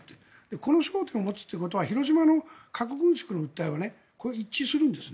この焦点を持つということは広島の核軍縮の訴えと一致するんですね。